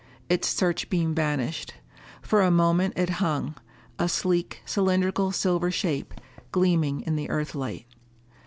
Its searchbeam vanished. For a moment it hung, a sleek, cylindrical silver shape, gleaming in the Earthlight.